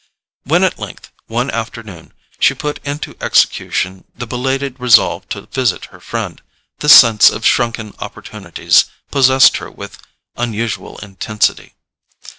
When at length, one afternoon, she put into execution the belated resolve to visit her friend, this sense of shrunken opportunities possessed her with unusual intensity.